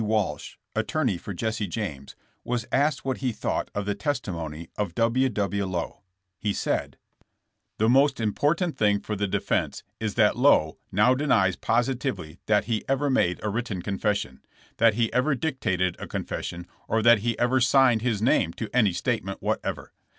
Walsh, attorney for Jesse James, was asked what he thought of the testimony of W. W. Lowe. He said: 156 JESSS JAMKS. *'The most important thing for the defense is that Lowe now denies positively that he ever made a written confession; that he ever dictated a confes sion, or that he ever signed his name to any state ment whatever.